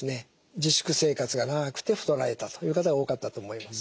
自粛生活が長くて太られたという方が多かったと思います。